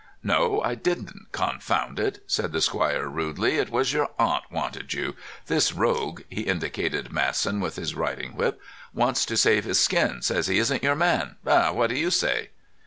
"No, I didn't; confound it!" said the squire rudely. "It was your aunt wanted you. This rogue"—he indicated Masson with his riding whip—"wants to save his skin; says he isn't your man. Ha! What do you say?"